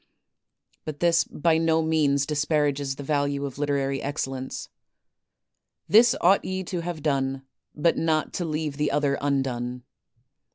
But this by no means disparages the value of literary excellence. This ought ye to have done, but not to leave the other undone.